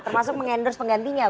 termasuk mengendorse penggantinya